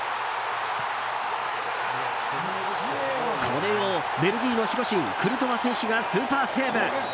これをベルギーの守護神クルトワ選手がスーパーセーブ！